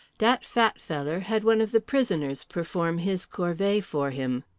"Dat fat feller" had one of the prisoners perform his corvée for him.